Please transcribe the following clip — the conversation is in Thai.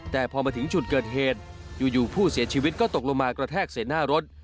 แต่พอมาถึงจุดเกิดเหตุอยู่ผู้เสียชีวิตก็ตกลงมากระแทกเศษหน้ารถ